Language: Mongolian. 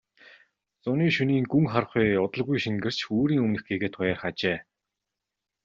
Зуны шөнийн гүн харанхуй удалгүй шингэрч үүрийн өмнөх гэгээ туяарах ажээ.